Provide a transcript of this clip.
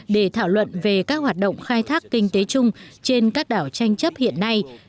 để thảo luận về các hoạt động khai thác kinh tế chung trên các đảo tranh chấp hiện nay